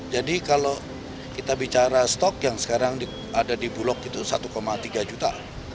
jadi kalau kita bicara stok yang sekarang ada di bulok itu satu tiga juta